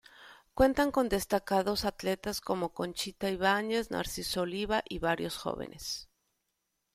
Cuentan con destacados atletas como Conchita Ibáñez, Narciso Oliva y varios jóvenes.